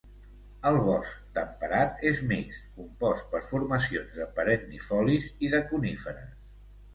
El bosc temperat és mixt, compost per formacions de perennifolis i de coníferes.